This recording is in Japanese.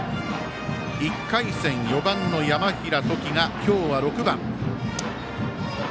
１回戦、４番の山平統己が今日は６番。